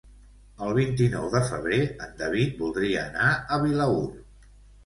El vint-i-nou de febrer en David voldria anar a Vilaür.